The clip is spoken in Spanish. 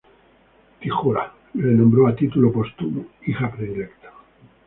Tíjola, la nombró, a título póstumo, hija predilecta.